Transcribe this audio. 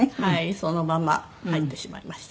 そのまま入ってしまいました。